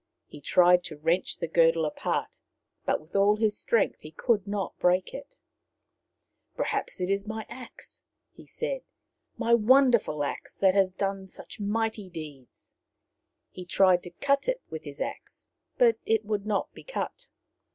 He tried to wrench the girdle apart, but with all his strength he could not break it. " Perhaps it is my axe," he said, " my wonder axe that has done such mighty deeds." He tried The Princess and the Giant 235 to cut it with his axe, but it would not be cut.